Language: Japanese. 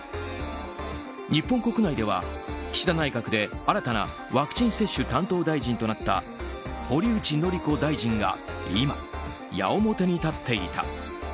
日本国内では岸田内閣で新たなワクチン接種担当大臣となった堀内詔子大臣が今矢面に立っていた。